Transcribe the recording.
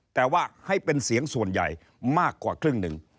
แต่ว่าให้เป็นเสียงส่วนใหญ่มากกว่าครึ่งหนึ่ง